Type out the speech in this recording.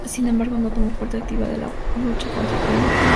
Sin embargo, no tomó parte activa en la lucha contra Cneo Pompeyo Magno.